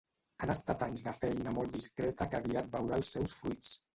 Han estat anys de feina molt discreta que aviat veurà els seus fruits.